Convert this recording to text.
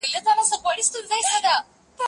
ښايي دا وروستۍ شپه وي واصله ځي